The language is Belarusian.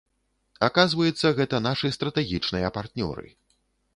Аказваецца, гэта нашы стратэгічныя партнёры.